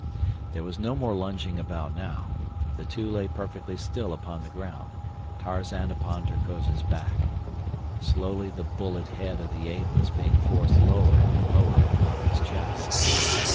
There was no more lunging about now. The two lay perfectly still upon the ground, Tarzan upon Terkoz's back. Slowly the bullet head of the ape was being forced lower and lower upon his chest.